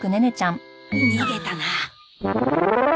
逃げたな。